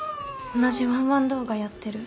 同じワンワン動画やってる。